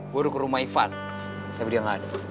gue udah ke rumah ivan tapi dia nggak ada